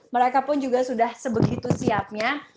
mereka pun juga sudah sebegitu siapnya